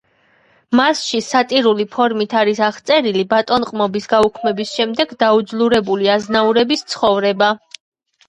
მასში სატირული ფორმით არის აღწერილი ბატონყმობის გაუქმების შემდეგ დაუძლურებული აზნაურების ცხოვრება.